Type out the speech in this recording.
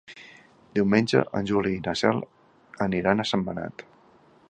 Diumenge en Juli i na Cel aniran a Sentmenat.